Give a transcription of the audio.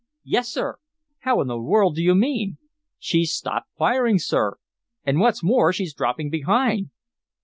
"Yes, sir." "How in the world do you mean?" "She's stopped firing, sir. And what's more, she's dropping behind."